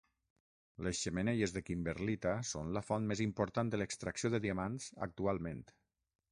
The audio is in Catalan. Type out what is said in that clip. Les xemeneies de kimberlita són la font més important de l'extracció de diamants actualment.